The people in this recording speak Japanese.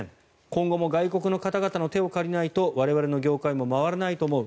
今後も外国人の方々の手を借りないと我々の業界も回らないと思う。